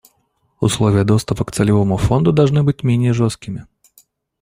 Условия доступа к Целевому фонду должны быть менее жесткими.